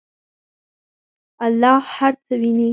الله هر څه ویني.